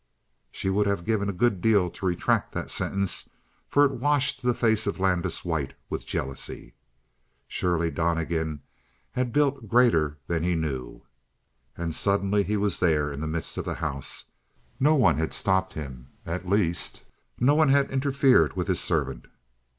She would have given a good deal to retract that sentence, for it washed the face of Landis white with jealousy. Surely Donnegan had built greater than he knew. And suddenly he was there in the midst of the house. No one had stopped him at least, no one had interfered with his servant.